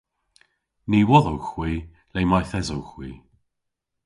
Ny wodhowgh hwi le mayth esowgh hwi.